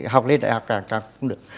học lên đại học càng càng cũng được